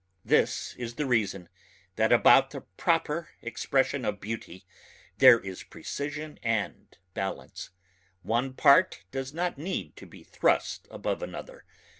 This is the reason that about the proper expression of beauty there is precision and balance ... one part does not need to be thrust above another.